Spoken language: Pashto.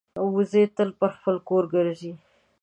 وزې تل پر خپل کور ګرځي